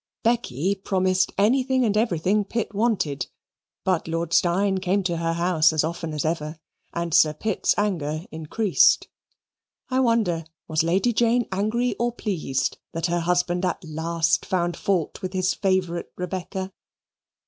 Becky promised anything and everything Pitt wanted; but Lord Steyne came to her house as often as ever, and Sir Pitt's anger increased. I wonder was Lady Jane angry or pleased that her husband at last found fault with his favourite Rebecca?